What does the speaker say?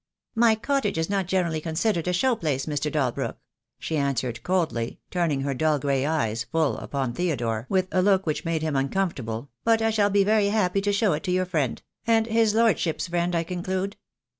"My cottage is not generally considered a show place, Mr. Dalbrook," she answered, coldly, turning her dull gray eyes full upon Theodore with a look which made him uncomfortable, "but I shall be very happy to show it to your friend — and his lordship's friend, I conclude."